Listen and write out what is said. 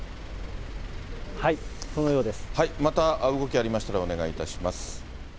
また動きありましたら、お願いいたします。